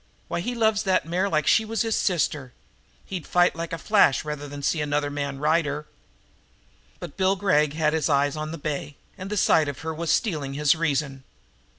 Why, he loves that mare like she was his sister. He'd fight like a flash rather than see another man ride her." But Bill Gregg had his eyes on the bay, and the sight of her was stealing his reason.